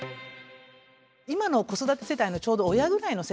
今の子育て世代のちょうど親ぐらいの世代ですね。